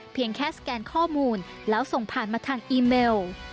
เพียงแค่สแกนข้อมูลแล้วส่งผ่านมาทางอีเมล